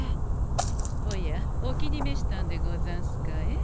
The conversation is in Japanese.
おやお気にめしたんでござんすかえ？